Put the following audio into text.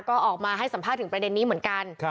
ก็ออกมาให้สัมภาษณ์ถึงประเด็นนี้เหมือนกัน